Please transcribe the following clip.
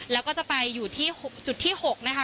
แล้วก็จะไปอยู่ที่จุดที่๖นะคะ